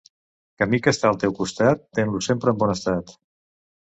Camí que està al teu costat, ten-lo sempre en bon estat.